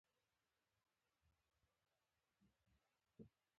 مېز له زړې زمانې راپاتې دی.